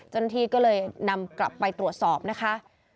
เจ้าหน้าที่ก็เลยนำกลับไปตรวจสอบนะคะ